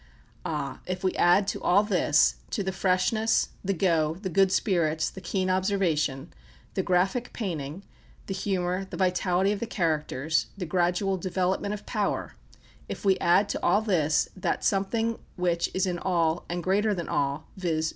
Ah, if we add to all this to the freshness, the "go," the good spirits, the keen observation, the graphic painting, the humour, the vitality of the characters, the gradual development of power if we add to all this that something which is in all, and greater than all, viz.